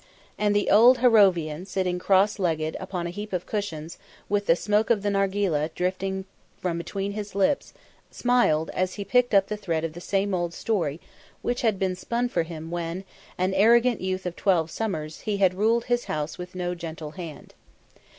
And the old Harrovian sitting cross legged, upon a heap of cushions, with the smoke of the nargileh, drifting from between his lips, smiled as he picked up the thread of the same old story which had been spun for him when, an arrogant youth of twelve summers, he had ruled his house with no gentle hand.